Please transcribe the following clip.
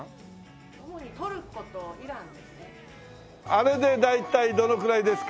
あれで大体どのくらいですか？